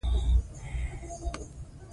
اداري حقوق د عامه خدمت بنسټ دی.